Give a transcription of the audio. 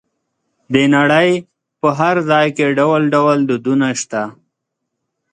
د نړۍ په هر ځای کې ډول ډول دودونه شته.